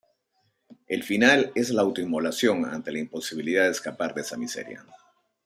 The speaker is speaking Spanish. El final es la auto inmolación ante la imposibilidad de escapar de esa miseria.